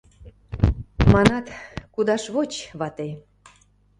Манат: кудаш воч, вате!